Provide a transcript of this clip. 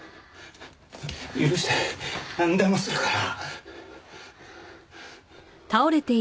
許してなんでもするから。